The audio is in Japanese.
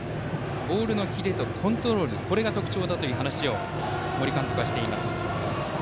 ボールのキレとコントロールが特徴だという話を森監督はしています。